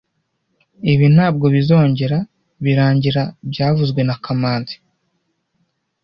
Ibi ntabwo bizogera birangira byavuzwe na kamanzi